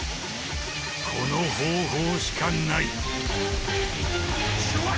この方法しかない！